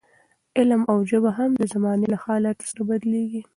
علم او ژبه هم د زمانې له حالاتو سره بدلېږي.